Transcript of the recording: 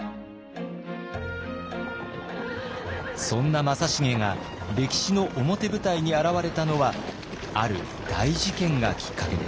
そんな正成が歴史の表舞台に現れたのはある大事件がきっかけでした。